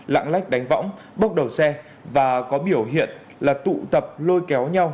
lạng lách đánh võng bốc đầu xe và có biểu hiện là tụ tập lôi kéo nhau